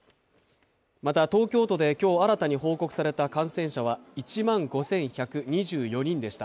また、東京都で今日新たに報告された感染者は１万５１２４人でした。